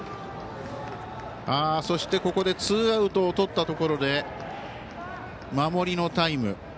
そして、ここでツーアウトをとったところで守りのタイム。